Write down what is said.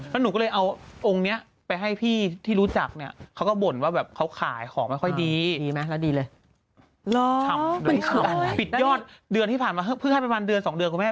แล้วหนูก็เลยเอาองค์เนี้ยไปให้พี่ที่รู้จักเนี้ยเขาก็บ่นว่าแบบเขาขายของไม่ค่อยดีดีไหมแล้วดีเลย